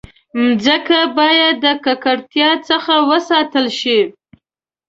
مځکه باید د ککړتیا څخه وساتل شي.